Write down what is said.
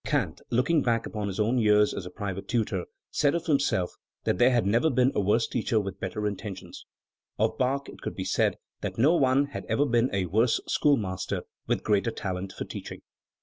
Kant, looking back upon his own years as a private tutor, said of himself that there had never been a worse teacher with better intentions. Of Bach it could be said that no one had ever been a worse schoolmaster with greater talent for teaching.